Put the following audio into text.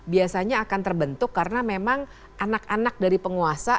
biasanya akan terbentuk karena memang anak anak dari penguasa